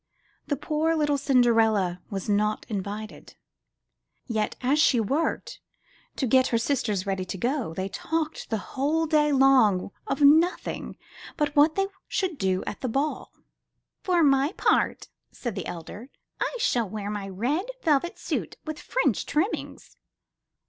Poor little Cinderella was not invited; yet, as she worked to get her sisters ready to go, they talked the whole day long of nothing but what they should do at the ball. 'Tor my part," said the elder, *'I shall wear my red velvet suit with French trimmings."